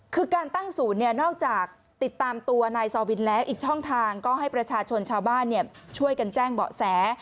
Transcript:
คือการตั้งศูนย์เนี่ยนอกจากติดตามตัวนายซอวินแล้วอีกช่องทางก็ให้ประชาชนชาวบ้านช่วยกันแจ้งเบาะแส